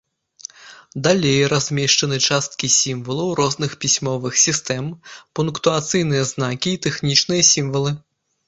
Далей размешчаны часткі сімвалаў розных пісьмовых сістэм, пунктуацыйныя знакі і тэхнічныя сімвалы.